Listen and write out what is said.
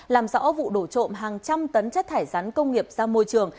làm rõ vụ đổ trộm hàng trăm tấn chất thải rắn công nghiệp ra môi trường